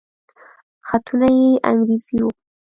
خطونه يې انګريزي وو.